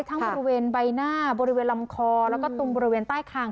บริเวณใบหน้าบริเวณลำคอแล้วก็ตรงบริเวณใต้คาง